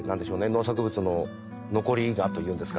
農作物の残り香というんですかね。